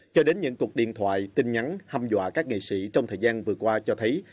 cho đến những cuộc điện thoại tin nhắn hâm dọa các nghệ sĩ trong thời gian vừa qua cho thấy